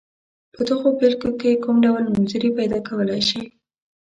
په دغو بېلګو کې کوم ډول نومځري پیداکولای شئ.